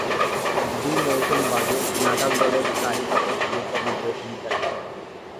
দুই মৌসুম বাদে নাটাল দলের কারি কাপের শিরোপা বিজয়ে ভূমিকা রাখেন।